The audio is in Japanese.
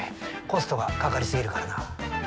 コストがかかりすぎるからな。